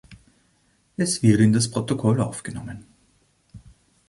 Es wird in das Protokoll aufgenommen.